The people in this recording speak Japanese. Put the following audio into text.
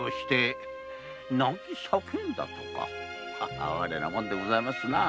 哀れなものでございますな。